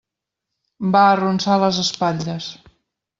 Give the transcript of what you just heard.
Va arronsar les espatlles.